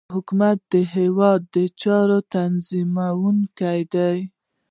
حکومت د هیواد د چارو تنظیمونکی دی